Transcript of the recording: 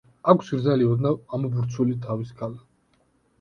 აქვს გრძელი, ოდნავ ამობურცული თავის ქალა.